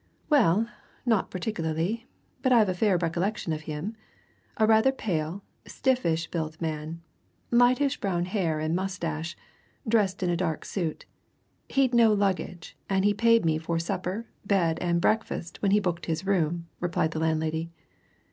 "Well, not particularly. But I've a fair recollection of him. A rather pale, stiffish built man, lightish brown hair and moustache, dressed in a dark suit. He'd no luggage, and he paid me for supper, bed, and breakfast when he booked his room," replied the landlady.